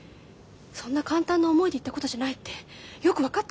そんな簡単な思いで言ったことじゃないってよく分かったもの。